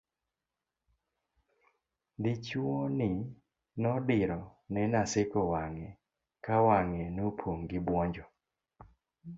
dichuo ni nodiro ne Naseko wang'e ka wang'e nopong' gi buonjo